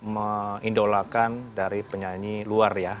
mengidolakan dari penyanyi luar ya